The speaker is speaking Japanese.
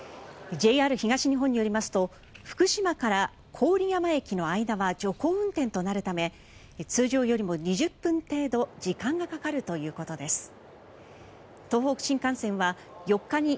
ＪＲ東日本によりますと福島から郡山駅の間は徐行運転となるため通常よりも２０分程度時間がかかるということです。